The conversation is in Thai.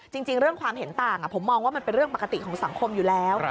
จริงเรื่องความเห็นต่างผมมองว่ามันเป็นเรื่องปกติของสังคมอยู่แล้ว